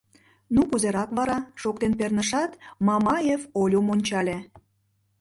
— Ну, кузерак вара? — шоктен пернышат, Мамаев Олюм ончале.